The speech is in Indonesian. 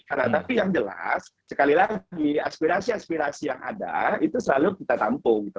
karena tapi yang jelas sekali lagi aspirasi aspirasi yang ada itu selalu kita tampung gitu